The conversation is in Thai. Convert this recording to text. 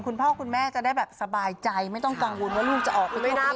คุณพ่อคุณแม่จะได้แบบสบายใจไม่ต้องกังวลว่าลูกจะออกไปไม่ได้